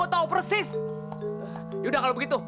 tuh ribut lagi